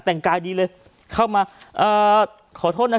แต่งกายดีเลยเข้ามาเอ่อขอโทษนะ